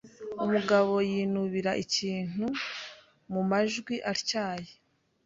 Umugabo yinubira ikintu mumajwi atyaye.